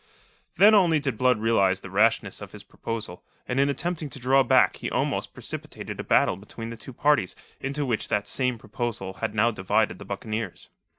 Then only did Blood realize the rashness of his proposal, and in attempting to draw back he almost precipitated a battle between the two parties into which that same proposal had now divided the buccaneers.